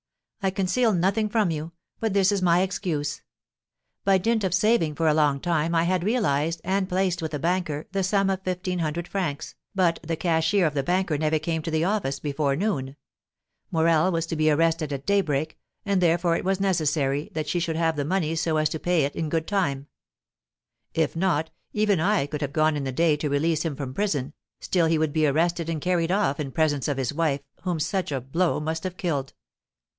I conceal nothing from you, but this is my excuse. By dint of saving for a long time I had realised, and placed with a banker, the sum of fifteen hundred francs, but the cashier of the banker never came to the office before noon. Morel was to be arrested at daybreak, and therefore it was necessary that she should have the money so as to pay it in good time; if not, even if I could have gone in the day to release him from prison, still he would be arrested and carried off in presence of his wife, whom such a blow must have killed.